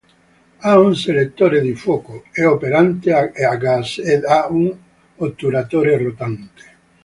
Ha un selettore di fuoco, è operante a gas ed ha un otturatore rotante.